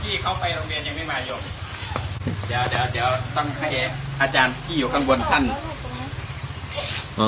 เดี๋ยวต้องให้อาจารย์ที่อยู่ข้างบนท่าน